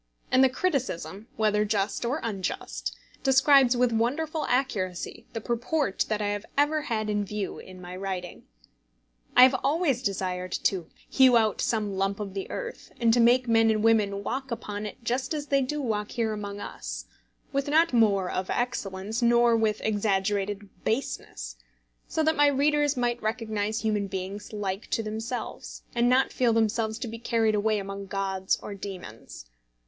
And the criticism, whether just or unjust, describes with wonderful accuracy the purport that I have ever had in view in my writing. I have always desired to "hew out some lump of the earth," and to make men and women walk upon it just as they do walk here among us, with not more of excellence, nor with exaggerated baseness, so that my readers might recognise human beings like to themselves, and not feel themselves to be carried away among gods or demons.